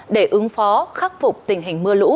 để ứng phó khắc phục tình hình mưa lụt